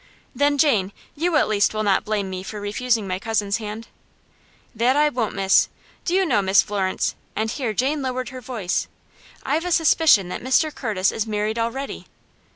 "Then, Jane, you at least will not blame me for refusing my cousin's hand?" "That I won't, miss. Do you know, Miss Florence" and here Jane lowered her voice "I've a suspicion that Mr. Curtis is married already?"